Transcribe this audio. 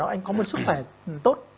anh có một sức khỏe tốt